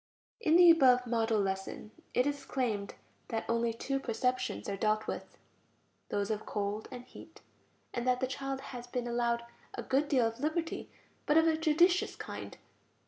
In the above "model" lesson, it is claimed that only two perceptions are dealt with, those of cold and heat, and that the child has been allowed a good deal of liberty, but of a judicious kind.